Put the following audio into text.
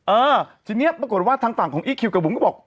เออทีนี้ปรากฏว่าทางฝั่งของอีคคิวกับบุ๋มก็บอก